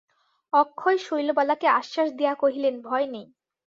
অক্ষয় শৈলবালাকে আশ্বাস দিয়া কহিলেন, ভয় নেই।